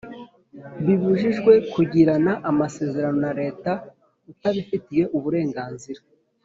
bibujijwe kugirana amasezerano na Leta utabifitiye uburenganzira